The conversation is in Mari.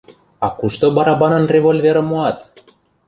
— А кушто барабанан револьверым муат?